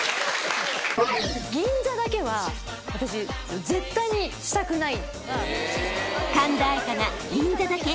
銀座だけは私絶対にしたくない。